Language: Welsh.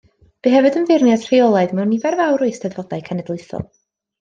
Bu hefyd yn feirniad rheolaidd mewn nifer fawr o eisteddfodau cenedlaethol.